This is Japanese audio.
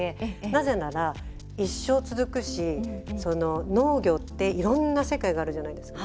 なぜなら、一生続くし農業っていろんな世界があるじゃないですか。